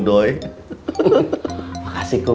tapi anaknya dikejar kejar kom